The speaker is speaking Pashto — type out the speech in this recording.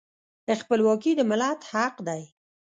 خپلواکي د ملت حق دی.